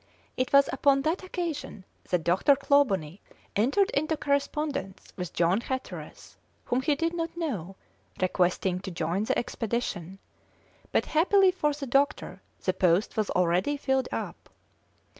It was upon that occasion that Dr. Clawbonny entered into correspondence with John Hatteras, whom he did not know, requesting to join the expedition, but happily for the doctor the post was already filled up.